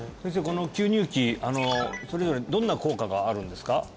この吸入器それぞれどんな効果があるんですか？